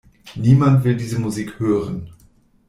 Niemand will diese Musik hören.